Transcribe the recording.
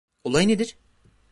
Olay nedir?